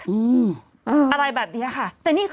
กรมป้องกันแล้วก็บรรเทาสาธารณภัยนะคะ